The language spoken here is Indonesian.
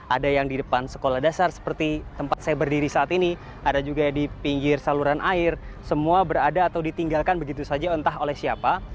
ada yang di depan sekolah dasar seperti tempat saya berdiri saat ini ada juga di pinggir saluran air semua berada atau ditinggalkan begitu saja entah oleh siapa